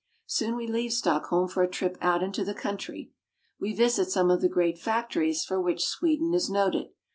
Soon we leave Stockholm for a trip L out into the country. We visit some of the great factories for which Sweden is noted.